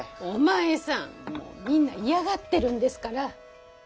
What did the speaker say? お前さんもうみんな嫌がってるんですから。